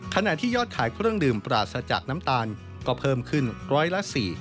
ขณะที่ยอดขายเครื่องดื่มปราศจากน้ำตาลก็เพิ่มขึ้นร้อยละ๔